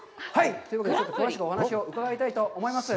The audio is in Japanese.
というわけで、ちょっと詳しくお話を伺いたいと思います。